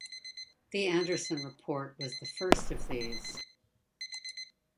The Anderson Report was the first of these.